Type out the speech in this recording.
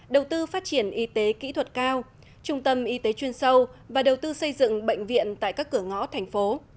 đầu tư phát triển y tế kỹ thuật cao trung tâm y tế chuyên sâu và đầu tư xây dựng bệnh viện tại các cửa ngõ thành phố